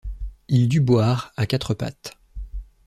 Il dut boire, à quatre pattes.